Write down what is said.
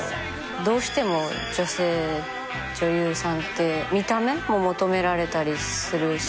どうしても女性女優さんって見た目も求められたりするし。